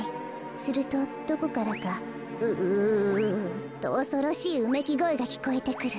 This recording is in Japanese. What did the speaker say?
するとどこからか「ウウウ」とおそろしいうめきごえがきこえてくる。